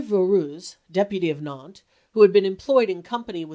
Voruz, deputy of Nantes, who had been employed in company with M.